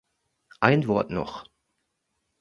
Ein Wort noch.